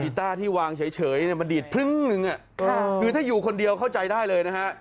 กีตาร์ที่วางเฉยเฉยเนี่ยมันดิดคือถ้าอยู่คนเดียวเข้าใจได้เลยนะฮะ